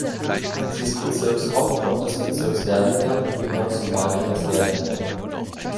Sie ist Bezirkshauptort des Bezirks Werdenberg und gehört zum Wahlkreis Werdenberg.